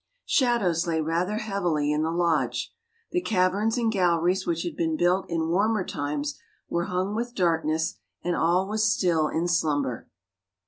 Shadows lay rather heavily in the lodge. The caverns and galleries which had been built in warmer times were hung with darkness and all was still in slumber.